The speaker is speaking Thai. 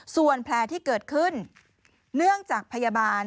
ส่วนแผลที่เกิดขึ้นเนื่องจากพยาบาล